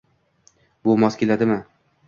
Bu mos keladimi?